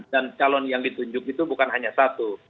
dan calon yang ditunjuk itu bukan hanya satu